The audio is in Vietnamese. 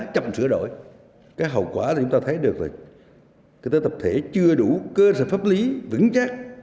chậm sửa đổi cái hậu quả thì chúng ta thấy được là kinh tế tập thể chưa đủ cơ sở pháp lý vững chắc